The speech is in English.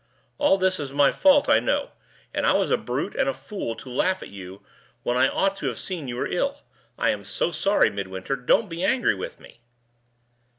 "All this is my fault, I know; and I was a brute and a fool to laugh at you, when I ought to have seen you were ill. I am so sorry, Midwinter. Don't be angry with me!"